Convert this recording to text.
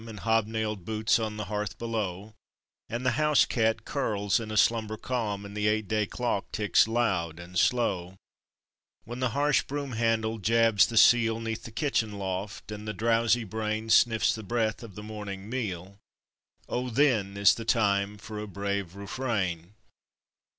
And hob nailed boots on the hearth below, And the house cat curls in a slumber calm, And the eight day clock ticks loud and slow; When the harsh broom handle jabs the ceil 'Neath the kitchen loft, and the drowsy brain Sniffs the breath of the morning meal O then is the time for a brave refrain!